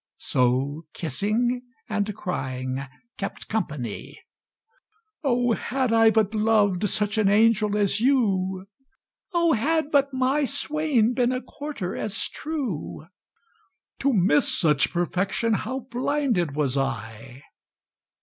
So kissing and crying kept company. "Oh, had I but loved such an angel as you!" "Oh, had but my swain been a quarter as true!" "To miss such perfection how blinded was I!"